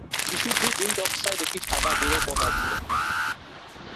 বিশুদ্ধ zinc oxide একটি সাদা গুঁড়ো পদার্থ।